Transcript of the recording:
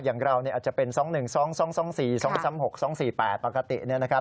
อย่างเราอาจจะเป็น๒๑๒๒๔๒๓๖๒๔๘ปกติเนี่ยนะครับ